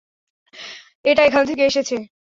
এটা এখান থেকে এসেছে।